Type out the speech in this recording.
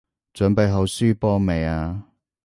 準備好輸波未啊？